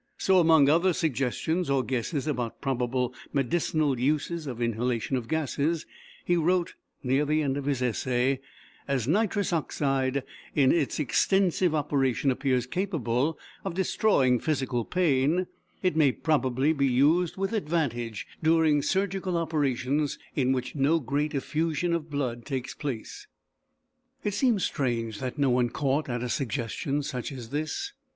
So, among other suggestions or guesses about probable medicinal uses of inhalation of gases, he wrote, near the end of his essay: "As nitrous oxide in its extensive operation appears capable of destroying physical pain, it may probably be used with advantage during surgical operations in which no great effusion of blood takes place." It seems strange that no one caught at a suggestion such as this.